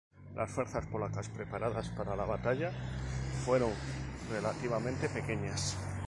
Las fuerzas polacas preparadas para la batalla fueron relativamente pequeñas.